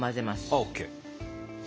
オーケー。